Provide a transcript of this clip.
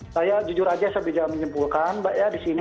saya jujur saja saya bisa menyimpulkan mbak ya di sini